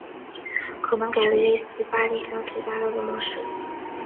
可能改为类似巴黎香榭大道的模式